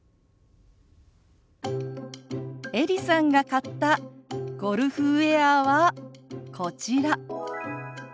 エリさんが買ったゴルフウエアはこちら。